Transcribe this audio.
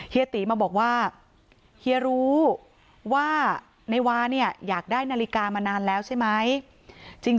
เฮีมาบอกว่าเฮียรู้ว่านายวาเนี่ยอยากได้นาฬิกามานานแล้วใช่ไหม